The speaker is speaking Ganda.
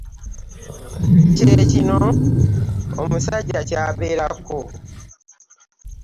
Kye kino omusajja ky'abeerako.